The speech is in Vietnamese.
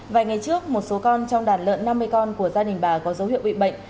vài ngày trước một số con trong đàn lợn năm mươi con của gia đình bà có dấu hiệu bị bệnh